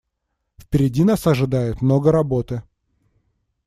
Впереди нас ожидает много работы.